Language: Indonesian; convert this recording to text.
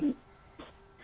terima kasih saya dan tim